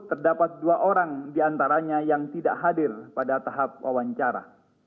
terdapat dua orang diantaranya yang tidak hadir pada tahap wawancara